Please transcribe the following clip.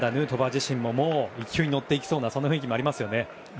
自身ももう勢いに乗っていきそうな雰囲気がありますね。